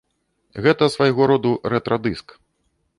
Гэта свайго роду рэтра-дыск.